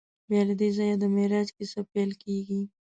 بیا له دې ځایه د معراج کیسه پیل کېږي.